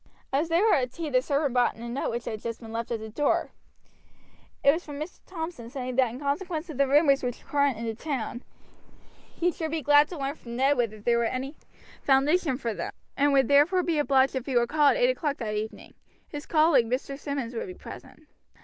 As they were at tea the servant brought in a note which had just been left at the door. It was from Mr. Thompson, saying that in consequence of the rumors which were current in the town he should be glad to learn from Ned whether there was any foundation for them, and would therefore be obliged if he would call at eight o'clock that evening. His colleague, Mr. Simmonds, would be present.